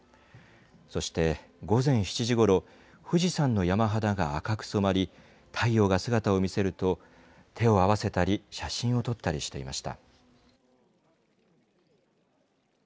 そして、午前７時ごろ、富士山の山肌が赤く染まり、太陽が姿を見せると、手を合わせたり写真を撮ったりしていました。